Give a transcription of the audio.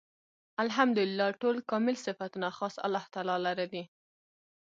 الحمد لله . ټول کامل صفتونه خاص الله تعالی لره دی